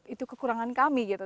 itu kekurangan kami gitu